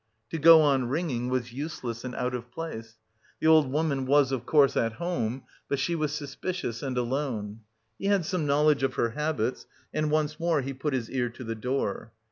To go on ringing was useless and out of place. The old woman was, of course, at home, but she was suspicious and alone. He had some knowledge of her habits... and once more he put his ear to the door.